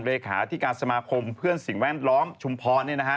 เลขาอาทิกาสมาคมเพื่อนสิงแว้นล้อมชุมพร